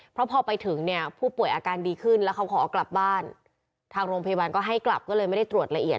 เพราะพอไปถึงเนี่ยผู้ป่วยอาการดีขึ้นแล้วเขาขอกลับบ้านทางโรงพยาบาลก็ให้กลับก็เลยไม่ได้ตรวจละเอียด